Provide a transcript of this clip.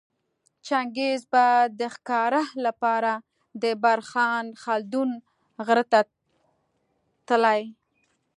چنګیز به د ښکاره لپاره د برخان خلدون غره ته تلی